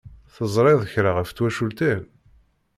Teẓṛiḍ kra ɣef twacult-im?